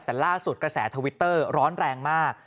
แต่ล่าสุดกระแสทวิตเตอร์ร้อนแรงมาก